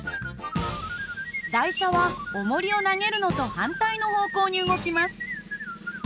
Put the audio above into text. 台車はおもりを投げるのと反対の方向に動きます。